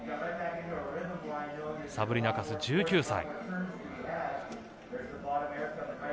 サブリナ・カス、１９歳。